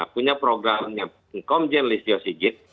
punya programnya komjen listio sigit